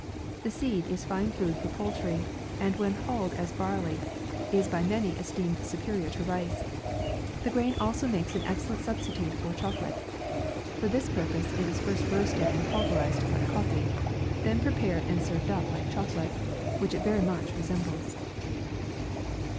The seed is fine food for poultry, and when hulled as barley, is by ma ny esteemed superior to rice. The grain also makes an excellent substitute for choco late. For this purpose it is first roasted and pulverized like coffee, then prepared and served up like chocolate, which it very much resembles.